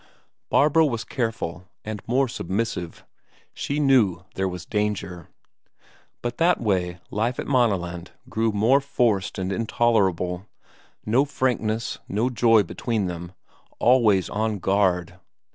Barbro was careful and more submissive; she knew there was danger. But that way, life at Maaneland grew even more forced and intolerable no frankness, no joy between them, always on guard.